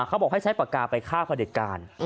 เขาบอกให้ใช้ปากกาไปฆ่าพระเด็จการ